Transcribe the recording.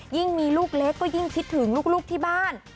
ยิ่งมีลูกเล็กก็ยิ่งคิดถึงลูกที่บ้าน